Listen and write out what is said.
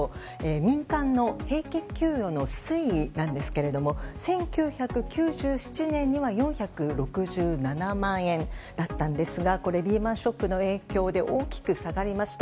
民間の平均給与の推移なんですが１９９７年には４６７万円だったんですがこれリーマン・ショックの影響で大きく下がりました。